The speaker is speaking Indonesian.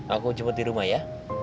aku jemput di rumah ya